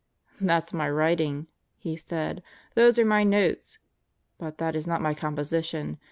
"That's my writing," he said. "Those are my notes. But ... that is not my composition.